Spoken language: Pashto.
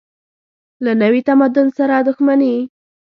له نوي تمدن سره دښمني.